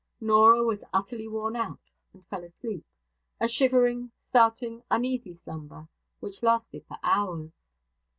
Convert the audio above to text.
Norah was utterly worn out, and fell asleep a shivering, starting, uneasy slumber, which lasted for hours.